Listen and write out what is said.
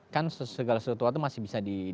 kan segala sesuatu itu masih bisa